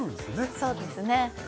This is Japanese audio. そうですね